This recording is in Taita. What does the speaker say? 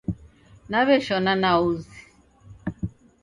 Naw'eshona na uzi